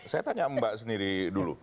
saya tanya mbak sendiri dulu